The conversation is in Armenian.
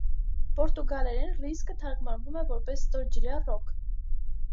Պորտուգալերեն՝ ռիսկը թարգմանվում է որպես «ստորջրյա ռոք»։